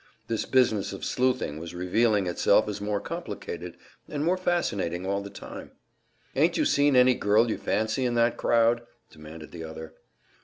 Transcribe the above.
This business of sleuthing was revealing itself as more complicated and more fascinating all the time. "Ain't you seen any girl you fancy in that crowd?" demanded the other.